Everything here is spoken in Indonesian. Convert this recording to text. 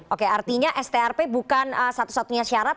oke artinya strp bukan satu satunya syarat